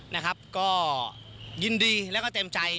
นะครับก็ยินดีแล้วก็เต็มใจ